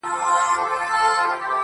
پاچا که د جلاد پر وړاندي، داسي خاموش وو.